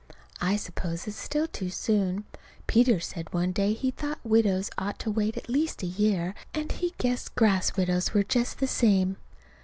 I suppose it's still too soon. Peter said one day he thought widows ought to wait at least a year, and he guessed grass widows were just the same.